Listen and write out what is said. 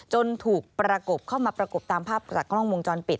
จนถูกประกบเข้ามาประกบตามภาพจากกล้องวงจรปิด